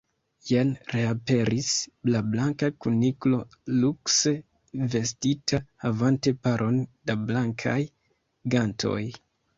Jen reaperis la Blanka Kuniklo lukse vestita, havante paron da blankaj gantoj.